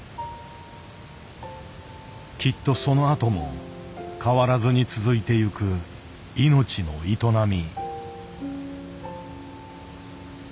きっとそのあとも変わらずに続いてゆく命の営み。